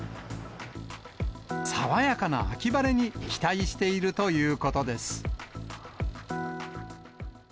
爽やかな秋晴れに期待しているということです。